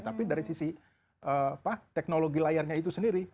tapi dari sisi teknologi layarnya itu sendiri